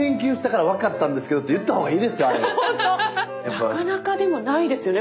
なかなかでもないですよね。